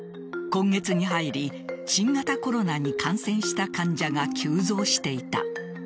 今月に入り新型コロナに感染した患者が急増していた。